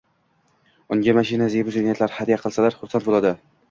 Unga mashina, zebu ziynatlar hadya qilsalar xursand boʻladi.